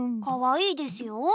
かわいいですよ。